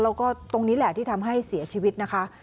แล้วก็ตรงนี้แหละที่ทำให้เสียชีวิตนะคะ